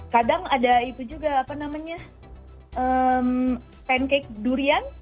kadang ada itu juga apa namanya pancake durian